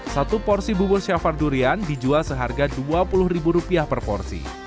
satu porsi bubur syafar durian dijual seharga rp dua puluh per porsi